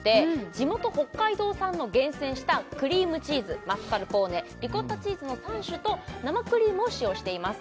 地元北海道産の厳選したクリームチーズマスカルポーネリコッタチーズの３種と生クリームを使用しています